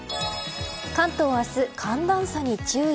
関東は明日、寒暖差に注意。